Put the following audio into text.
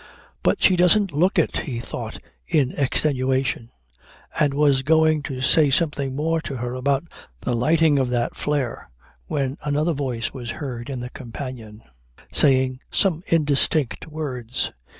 "But she doesn't look it," he thought in extenuation and was going to say something more to her about the lighting of that flare when another voice was heard in the companion, saying some indistinct words.